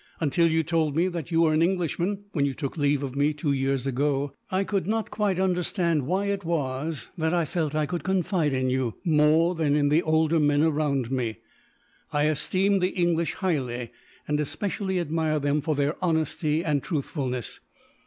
"Until you told me that you were an Englishman, when you took leave of me two years ago, I could not quite understand why it was that I felt I could confide in you, more than in the older men around me. I esteem the English highly, and especially admire them for their honesty and truthfulness.